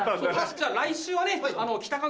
じゃ来週はね。